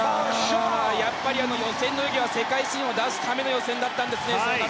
やっぱり予選の泳ぎは世界新を出すための泳ぎだったんですね。